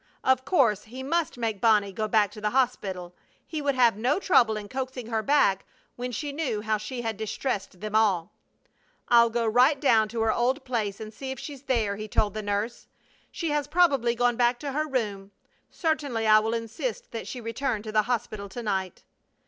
Of course he must make Bonnie go back to the hospital. He would have no trouble in coaxing her back when she knew how she had distressed them all. "I'll go right down to her old place and see if she's there," he told the nurse. "She has probably gone back to her room. Certainly I will insist that she return to the hospital to night."